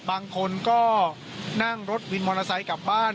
บางคนก็นั่งรถวินมอเตอร์ไซค์กลับบ้าน